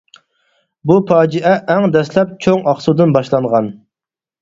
بۇ پاجىئە ئەڭ دەسلەپ چوڭ ئاقسۇدىن باشلانغان.